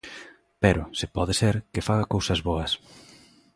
Pero, se pode ser, que faga cousas boas.